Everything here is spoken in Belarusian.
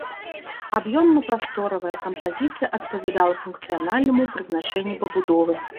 Аб'ёмна-прасторавая кампазіцыя адпавядала функцыянальнаму прызначэнню пабудовы.